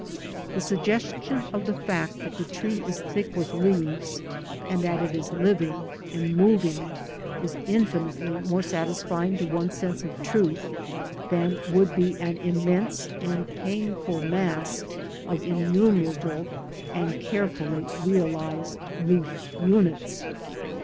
The suggestion of the fact that the tree is thick with leaves, and that it is living and moving, is infinitely more satisfying to one's sense of truth than would be an immense and painful mass of innumerable and carefully realised leaf uni ts.